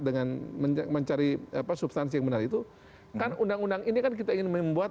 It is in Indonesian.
dengan mencari apa substansi yang benar itu kan undang undang ini kan kita ingin membuat